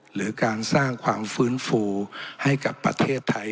หรือการสร้างความฟื้นฟูให้กับประเทศไทย